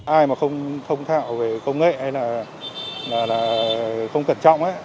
ai mà không thông thạo về công nghệ hay là không cẩn trọng